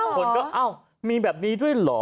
คนก็อ้าวมีแบบนี้ด้วยเหรอ